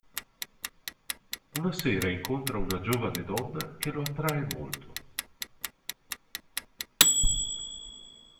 Una sera incontra una giovane donna che lo attrae molto.